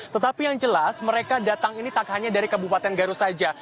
tetapi yang jelas mereka datang ini tak hanya dari kabupaten garut saja